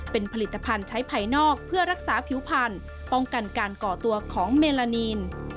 เป็นผลิตภัณฑ์ใช้ภายนอกเพื่อรักษาผิวพันธุ์ป้องกันการก่อตัวของเมลานีน